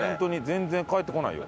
全然帰ってこないよ。